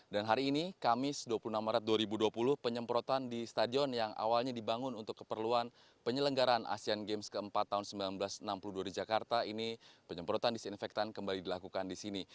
dan hari ini kamis dua puluh enam maret dua ribu dua puluh penyemprotan di stadion yang awalnya dibangun untuk keperluan penyelenggaran asean games keempat tahun seribu sembilan ratus enam puluh dua di jakarta ini penyemprotan disinfektan kembali dilakukan di sini